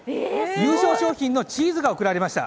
優勝賞品のチーズが贈られました。